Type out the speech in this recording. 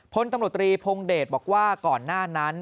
พลตำรวจตรีพงเดชบอกว่าก่อนหน้านั้น